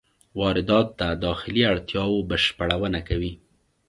واردات د داخلي اړتیاوو بشپړونه کوي.